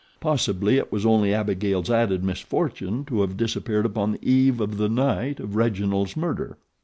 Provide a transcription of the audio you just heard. Possibly it was only Abigail's added misfortune to have disappeared upon the eve of the night of Reginald's murder.